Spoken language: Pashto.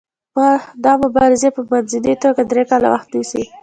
دا مبارزې په منځنۍ توګه درې کاله وخت نیسي.